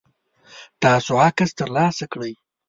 تاسو عکس ترلاسه کړئ؟